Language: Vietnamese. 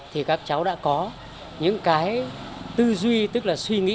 thì các cháu đã có những cái tư duy tức là suy nghĩ